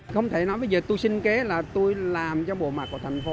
không thể nói bây giờ tôi xin kế là tôi làm cho bộ mặt của thành phố